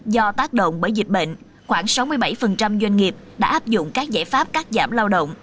do tác động bởi dịch bệnh khoảng sáu mươi bảy doanh nghiệp đã áp dụng các giải pháp cắt giảm lao động